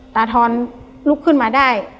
ทอนลุกขึ้นมาได้